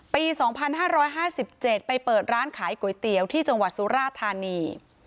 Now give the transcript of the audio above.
ปี๒๕๕๗ไปเปิดร้านขายก๋วยเตี๋ยวที่จังหวัดสุราธานี